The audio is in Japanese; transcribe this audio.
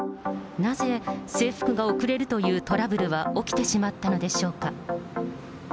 なぜ制服が遅れるというトラブルは起きてしまったのでしょうか。